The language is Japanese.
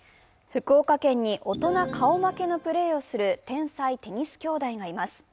福岡県に大人顔負けのプレーをする天才テニス兄弟がいます。